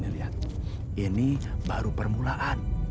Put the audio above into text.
lihat ini baru permulaan